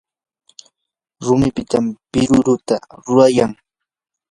rumipitam piruruta rurayan.